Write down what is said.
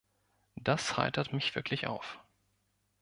Das heitert mich wirklich auf.